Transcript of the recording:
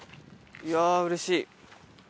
いやうれしい。